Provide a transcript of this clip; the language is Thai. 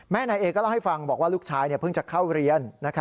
นายเอก็เล่าให้ฟังบอกว่าลูกชายเพิ่งจะเข้าเรียน